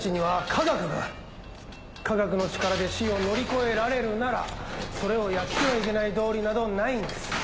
科学の力で死を乗り越えられるならそれをやってはいけない道理などないんです。